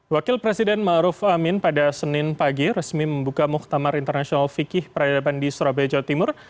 wakil presiden ma'ruf amin pada senin pagi resmi membuka muhtamar internasional fikih peradaban di surabaya jawa timur